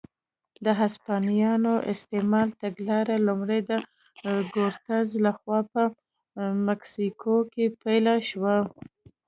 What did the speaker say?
د هسپانویانو استعماري تګلاره لومړی د کورټز لخوا په مکسیکو کې پلې شوه.